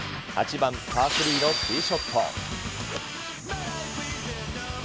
８番パー３のティーショット。